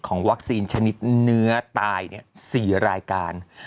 วัคซีนชนิดเนื้อตาย๔รายการ